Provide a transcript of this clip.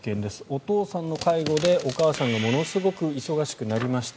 お父さんの介護でお母さんがものすごく忙しくなりました。